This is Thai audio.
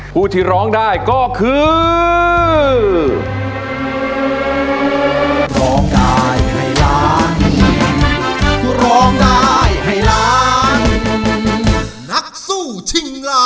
ผู้ที่ร้องได้ก็คือ